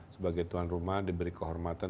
sebagai tuan rumah diberi kehormatan